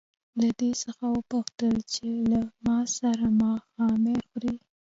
له دې څخه وپوښته چې له ما سره ماښامنۍ خوري.